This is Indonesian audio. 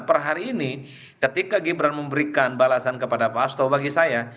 perhari ini ketika gibran memberikan balasan kepada pak astro bagi saya